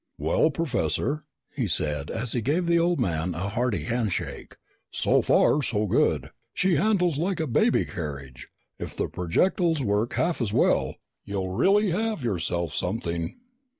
"Well, Professor," he said as he gave the old man a hearty handshake, "so far so good. She handles like a baby carriage. If the projectiles work half as well, you'll really have yourself something!"